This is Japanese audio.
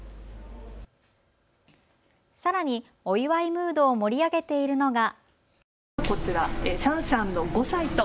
さらにお祝いムードを盛り上げているのが。